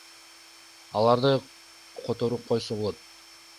Аларды которуп койсо болот.